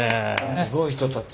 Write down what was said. すごい人たち。